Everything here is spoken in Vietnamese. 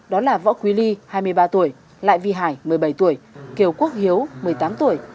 đó là võ quý ly hai mươi ba tuổi lại vi hải một mươi bảy tuổi kiều quốc hiếu một mươi tám tuổi